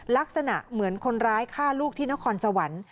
ลักษณะเหมือนคนร้ายฆ่าลูกที่นครสวรรค์